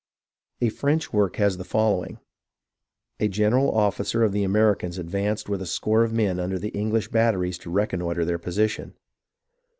A French work has the following :" A general officer of the Americans advanced with a score of men under the English batteries to reconnoitre their position.